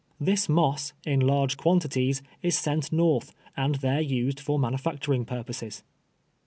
This moss, in lai'ge (}uantities, is sent north, and there used for manufacturing purposes.